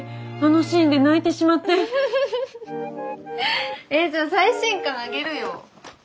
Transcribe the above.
ンフフフフえっじゃあ最新刊あげるよ。